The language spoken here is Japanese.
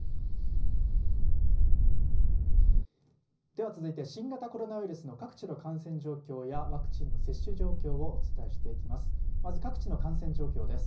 では続いて新型コロナウイルスの各地の感染状況やワクチンの接種状況をお伝えしていきます。